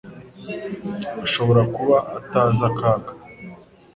Ashobora kuba atazi akaga